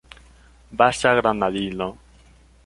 Baza granadino.